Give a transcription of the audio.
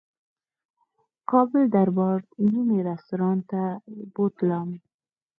کابل دربار نومي رستورانت ته یې بوتلم.